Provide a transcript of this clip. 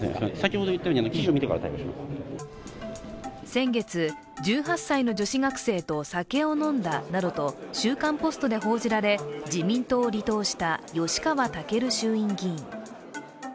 先月、１８歳の女子学生と酒を飲んだなどと「週刊ポスト」で報じられ、自民党を離党した吉川赳衆院議員。